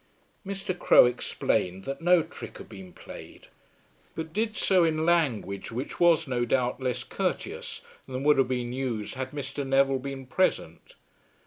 Mr. Crowe explained that no trick had been played, but did so in language which was no doubt less courteous than would have been used had Mr. Neville been present.